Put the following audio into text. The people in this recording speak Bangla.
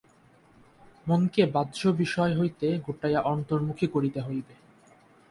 মনকে বাহ্য বিষয় হইতে গুটাইয়া অন্তর্মুখী করিতে হইবে।